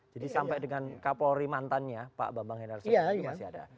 jadi sampai dengan kapolri mantannya pak bambang henar soekarno masih ada